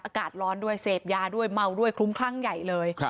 อากาศร้อนด้วยเสพยาด้วยเมาด้วยคลุ้มคลั่งใหญ่เลย